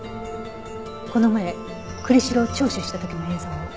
この前栗城を聴取した時の映像を。